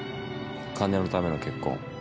金のための結婚。